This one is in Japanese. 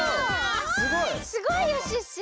すごいよシュッシュ！